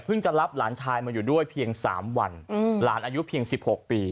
จะรับหลานชายมาอยู่ด้วยเพียง๓วันหลานอายุเพียง๑๖ปี